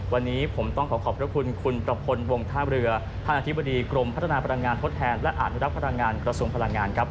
วันนี้ผมต้องขอขอบพระคุณคุณประพล